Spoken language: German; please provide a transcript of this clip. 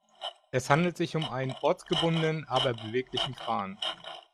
Es handelt sich um einen ortsgebundenen, aber beweglichen Kran.